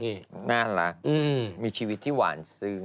นี่น่ารักมีชีวิตที่หวานซึ้ง